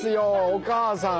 おばさん！